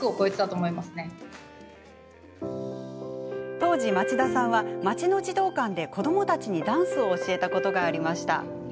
当時、町田さんは町の児童館で子どもたちにダンスを教えたことがありました。